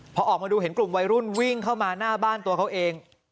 พอออกมาดูเห็นกลุ่มวัยรุ่นวิ่งเข้ามาหน้าบ้านตัวเขาเอง